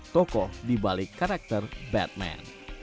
tokoh di balik karakter batman